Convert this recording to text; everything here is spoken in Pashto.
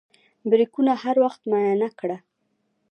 بریکونه هر وخت معاینه کړه.